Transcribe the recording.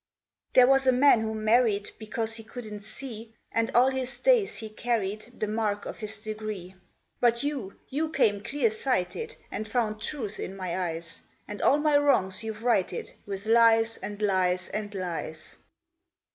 "There was a man who married Because he couldn't see; And all his days he carried The mark of his degree. But you you came clear sighted, And found truth in my eyes; And all my wrongs you've righted With lies, and lies, and lies.